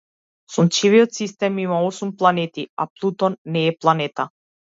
Сончевиот систем има осум планети, а Плутон не е планета.